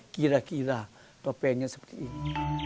kira kira topengnya seperti ini